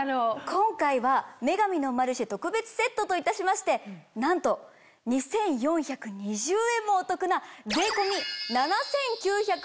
今回は『女神のマルシェ』特別セットといたしましてなんと２４２０円もお得な。